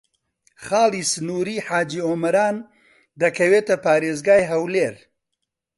خاڵی سنووریی حاجی ئۆمەران دەکەوێتە پارێزگای هەولێر.